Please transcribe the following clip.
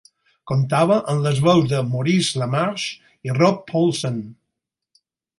Comptava amb les veus de Maurice LaMarche i Rob Paulsen.